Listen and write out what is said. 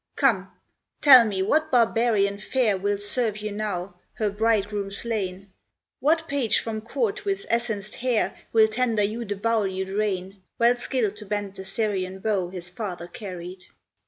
Come, tell me what barbarian fair Will serve you now, her bridegroom slain? What page from court with essenced hair Will tender you the bowl you drain, Well skill'd to bend the Serian bow His father carried?